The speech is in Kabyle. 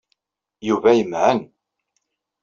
Yuba yemɛen.